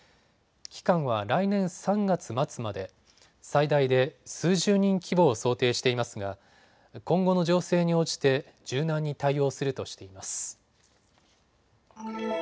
期間は来年３月末まで、最大で数十人規模を想定していますが今後の情勢に応じて柔軟に対応するとしています。